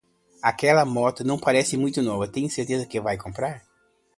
Aquela moto não parece muito nova, tem certeza que vai comprar.